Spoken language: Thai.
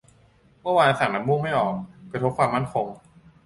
เมื่อวานสั่งน้ำมูกไม่ออก กระทบความมั่นคง